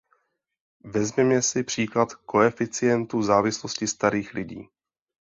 Vezměme si příklad koeficientu závislosti starých lidí.